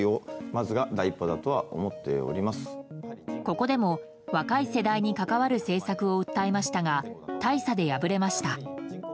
ここでも若い世代に関わる政策を訴えましたが大差で敗れました。